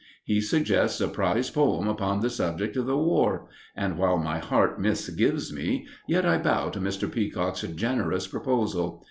He suggests a prize poem upon the subject of the War; and while my heart misgives me, yet I bow to Mr. Peacock's generous proposal.